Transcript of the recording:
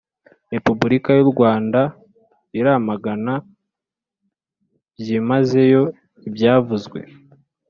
repubulika y'u rwanda iramagana byimazeyo ibyavuzwe